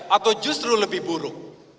atau justru lebih buruk